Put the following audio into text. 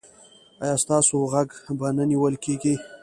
ایا ستاسو غږ به نه نیول کیږي؟